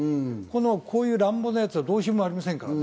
こういう乱暴なやつはどうしようもありませんからね。